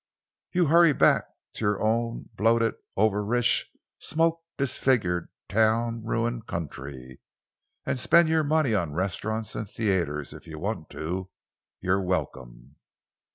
You hurry back to your own bloated, over rich, smoke disfigured, town ruined country, and spend your money on restaurants and theatres if you want to. You're welcome."